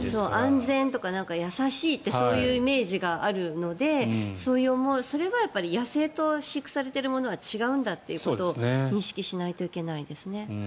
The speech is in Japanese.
安全とか優しいってそういうイメージがあるのでそれは野生と飼育されているものは違うんだということを認識しないといけないですね。